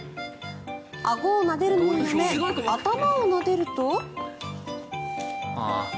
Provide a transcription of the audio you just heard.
あごをなでるのをやめ頭をなでると。